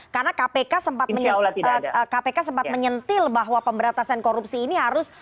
karena kpk sempat menyentil bahwa pemberatasan korupsi ini harus berat